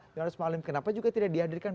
johannes marlem kenapa juga tidak dihadirkan